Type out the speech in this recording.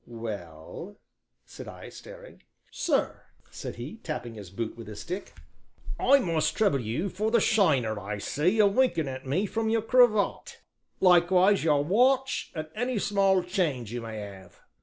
"Well?" said I, staring. "Sir," said he, tapping his boot with his stick, "I must trouble you for the shiner I see a winking at me from your cravat, likewise your watch and any small change you may have."